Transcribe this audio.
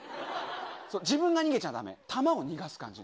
自分が逃げちゃだめ、弾を逃がす感じ。